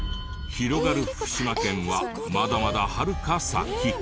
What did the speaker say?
広がる福島県はまだまだはるか先。